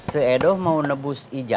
saya edo mau nebus ijasa